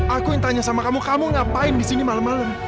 aku yang tanya sama kamu kamu ngapain disini malem malem